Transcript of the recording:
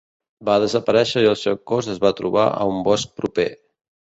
Va desaparèixer i el seu cos es va trobar a un bosc proper.